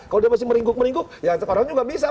kalau dia masih meringguk meringguk ya sekarang juga bisa